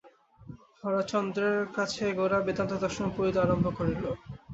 হরচন্দ্রের কাছে গোরা বেদান্তদর্শন পড়িতে আরম্ভ করিল।